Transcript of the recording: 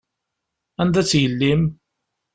Anda-tt yelli-m?